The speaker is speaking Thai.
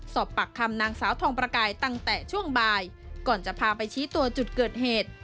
สอบปากคำนางสาวทองประกายตั้งแต่ช่วงบ่ายก่อนจะพาไปชี้ตัวจุดเกิดเหตุ